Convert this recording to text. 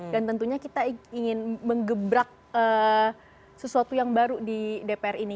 dan tentunya kita ingin mengebrak sesuatu yang baru di dpr ini